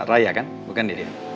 raya kan bukan di